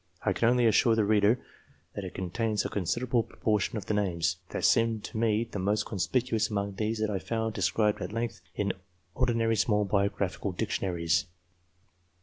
I can only assure the reader that it contains a considerable proportion of the names, that seemed to me the most conspicuous among those that I found described at length, in ordinary small biographical dictionaries.